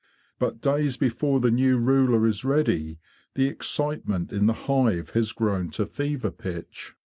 But days before the new ruler is ready the excite ment in the hive has grown to fever pitch.